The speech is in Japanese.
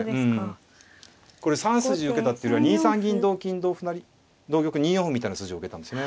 これ３筋受けたってよりは２三銀同金同歩成同玉２四歩みたいな筋を受けたんですね。